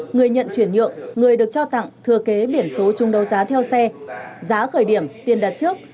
người nhận chuyển nhượng người được cho tặng thừa kế biển số chung đấu giá theo xe giá khởi điểm tiền đặt trước